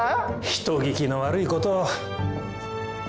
人聞きの悪いことを。